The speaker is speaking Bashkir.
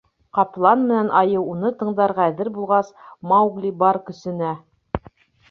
Ҡаплан менән айыу уны тыңдарға әҙер булғас, Маугли бар көсөнә: